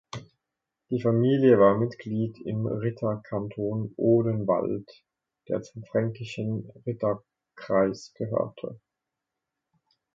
Die Familie war Mitglied im Ritterkanton Odenwald, der zum Fränkischen Ritterkreis gehörte.